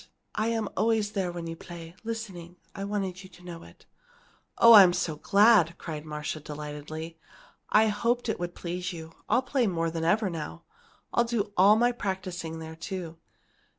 I am always there when you play listening. I wanted you to know it." "Oh, I'm so glad!" cried Marcia, delightedly. "I hoped it would please you. I'll play more than ever now. I'll do all my practising there, too."